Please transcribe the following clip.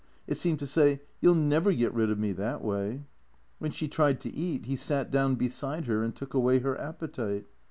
It seemed to say, " You '11 never get rid of me that way." When she tried to eat he sat down beside her and took away her appetite.